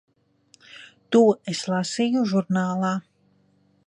To es lasīju žurnālā.